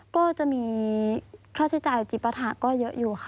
ก็จะมีค่าใช้จ่ายจิปะทะก็เยอะอยู่ค่ะ